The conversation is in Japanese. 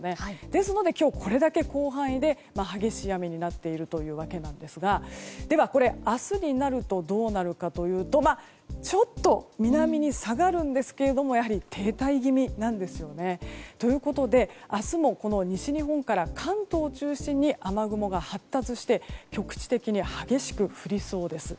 ですので、今日これだけ広範囲で激しい雨になっているんですがこれが明日になるとどうなるかというとちょっと南に下がるんですがやはり停滞気味なんですよね。ということで明日も西日本から関東中心に雨雲が発達して局地的に激しく降りそうです。